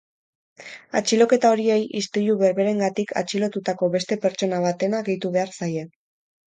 Atxiloketa horiei istilu berberengatik atxilotutako beste pertsona batena gehitu behar zaie.